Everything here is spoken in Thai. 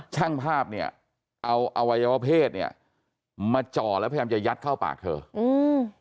ช่างภาพเนี่ยเอาอวัยวะเพศเนี้ยมาจ่อแล้วพยายามจะยัดเข้าปากเธออืม